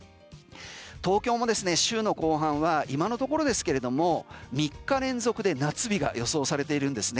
東京も週の後半は今のところですけれども３日連続で夏日が予想されているんですね。